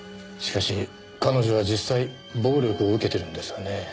しかし彼女は実際暴力を受けてるんですがね。